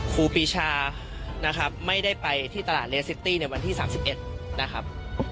ครูปีชานะครับไม่ได้ไปที่ตลาดเรียสซิตี้เนี่ยวันที่สามสิบเอ็ดนะครับ